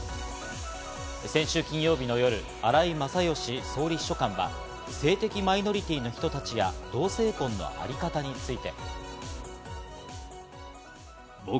先週金曜日の夜、荒井勝喜総理秘書官は性的マイノリティーの人たちや、同性婚のあり方について。